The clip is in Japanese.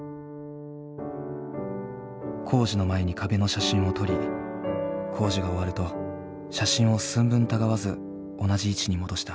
工事の前に壁の写真を撮り工事が終わると写真を寸分たがわず同じ位置に戻した。